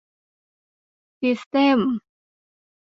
ซิสเท็มส์